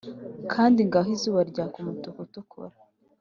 kandi ngaho izuba ryaka umutuku utukura,